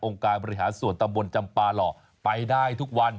การบริหารส่วนตำบลจำปาหล่อไปได้ทุกวัน